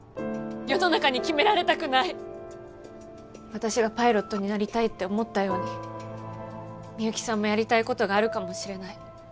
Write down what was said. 私がパイロットになりたいって思ったように美幸さんもやりたいことがあるかもしれない。